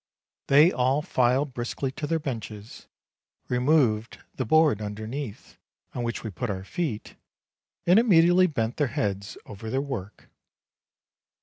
They all filed briskly to their benches, removed the board underneath, on which we put our feet, and immediately bent their heads over their work.